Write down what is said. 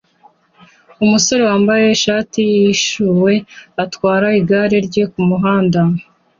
Umusore wambaye ishati yishyuwe atwara igare rye kumuhanda